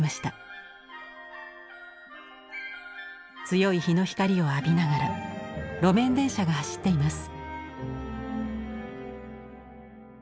強い日の光を浴びながら路面電車が走っています。